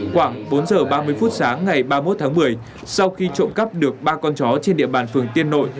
khoảng bốn giờ ba mươi phút sáng ngày ba mươi một tháng một mươi sau khi trộm cắp được ba con chó trên địa bàn phường tiên nội